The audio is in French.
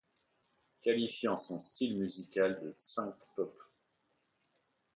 Qualifiant son style musical de synthpop.